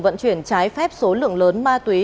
vận chuyển trái phép số lượng lớn ma túy